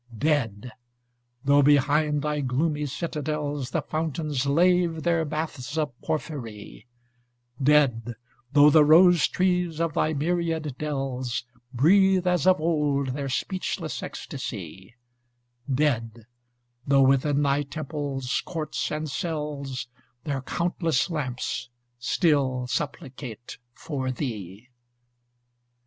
Dead though behind thy gloomy citadels The fountains lave their baths of porphyry; Dead though the rose trees of thy myriad dells Breathe as of old their speechless ecstasy; Dead though within thy temples, courts, and cells, Their countless lamps still supplicate for thee.